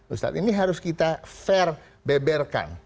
ustadz ini harus kita fair beberkan